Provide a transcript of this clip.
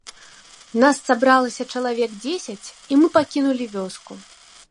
Нас сабралася чалавек дзесяць, і мы пакінулі вёску.